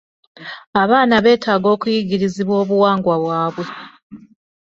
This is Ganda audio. Abaana beetaga okuyigirizibwa obuwangwa bwabwe.